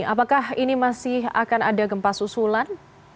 apakah ini masih akan ada gempa susulan